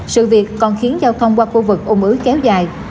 sự việc còn khiến giao thông qua khu vực ủng ứ kéo dài